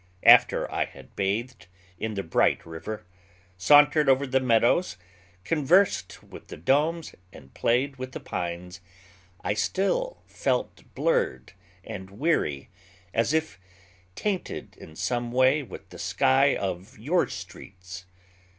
After I had bathed in the bright river, sauntered over the meadows, conversed with the domes, and played with the pines, I still felt blurred and weary, as if tainted in some way with the sky of your streets.